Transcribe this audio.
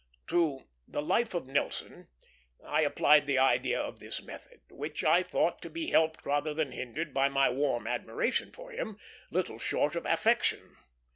To The Life of Nelson I applied the idea of this method, which I thought to be helped rather than hindered by my warm admiration for him, little short of affection.